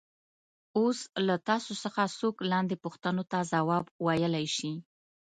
اوس له تاسو څخه څوک لاندې پوښتنو ته ځواب ویلای شي.